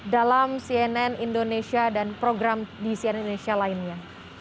dalam sien indonesia dan program di sien indonesia lainnya